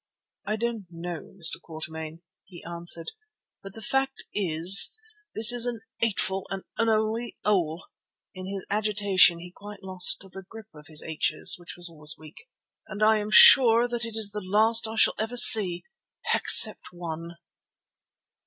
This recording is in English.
"I don't know, Mr. Quatermain," he answered, "but the fact is this is a 'ateful and un'oly 'ole" (in his agitation he quite lost grip of his h's, which was always weak), "and I am sure that it is the last I shall ever see, except one."